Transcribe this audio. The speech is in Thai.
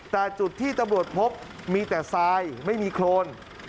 แต่จุดที่ตำรวจพบมีแต่ทรายไม่มีโครน